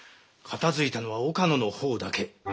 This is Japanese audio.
片づいたのは岡野の方だけ。